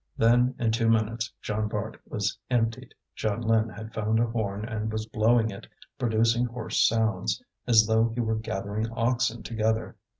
Then in two minutes Jean Bart was emptied. Jeanlin had found a horn and was blowing it, producing hoarse sounds, as though he were gathering oxen together.